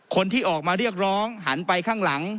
คนที่ออกมาเรียกร้องหันไปข้างหลัง